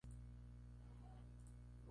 Nació en Hidalgo.